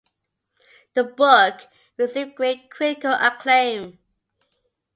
The book received great critical acclaim.